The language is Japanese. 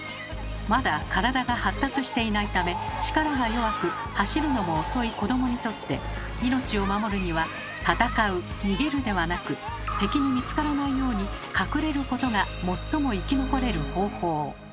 まだ体が発達していないため力が弱く走るのも遅い子どもにとって命を守るには「戦う」「逃げる」ではなく敵に見つからないように「隠れること」が最も生き残れる方法。